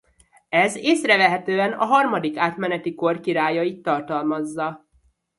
Ez észrevehetően a harmadik átmeneti kor királyait tartalmazza.